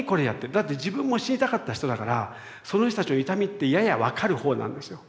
だって自分も死にたかった人だからその人たちの痛みってやや分かるほうなんですよ。